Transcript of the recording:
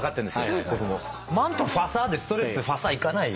マントファサでストレスファサいかないよ。